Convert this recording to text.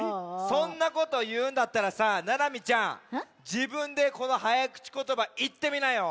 そんなこというんだったらさななみちゃんじぶんでこのはやくちことばいってみなよ！